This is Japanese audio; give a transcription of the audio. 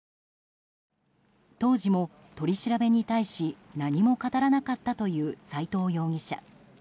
当時も取り調べに対し何も語らなかったという斎藤容疑者。